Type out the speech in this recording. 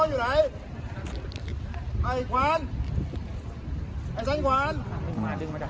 ปรากฏว่าจังหวัดที่ลงจากรถ